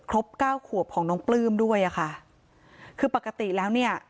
เก้าขวบของน้องปลื้มด้วยอ่ะค่ะคือปกติแล้วเนี่ย